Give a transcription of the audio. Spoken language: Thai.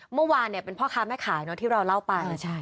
เมื่อวานเนี่ยเป็นพ่อค้าแม่ขายเนอะที่เราเล่าไปอ๋อใช่